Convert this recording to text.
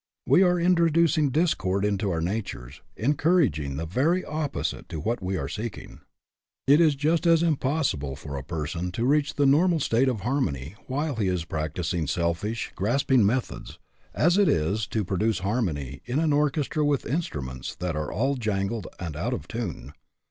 We are intro ducing discord into our natures ; encouraging the very opposite to what we are seeking. It is just as impossible for a person to reach the normal state of harmony while he is prac ISO HAPPY? IF NOT, WHY NOT? ticing selfish, grasping methods, as it is to pro duce harmony in an orchestra with instru ments that are all jangled and out of tune.